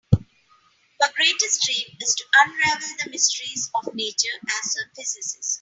Her greatest dream is to unravel the mysteries of nature as a physicist.